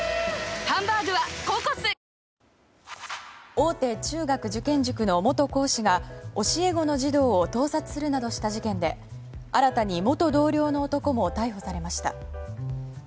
大手中学受験塾の元講師が教え子の児童を盗撮するなどした事件で新たに元同僚の男も逮捕されました。